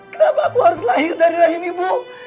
kenapa aku harus lahir dari rahim ibu